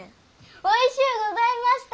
おいしゅうございました。